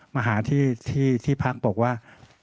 มาหาที่พักบอกว่า